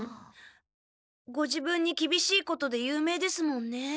ご自分にきびしいことで有名ですもんね。